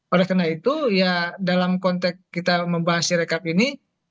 oleh karena itu ya dalam konteks kita membahas si rekap ini